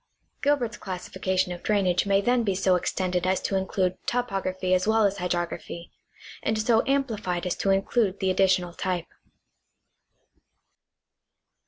Gilbert's classification of drainage may then bo so extended as to include topography as well as hydrography, and so amplified as to include the additional type.